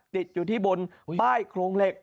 ติดอยู่ที่บนป้ายโครงเหล็ก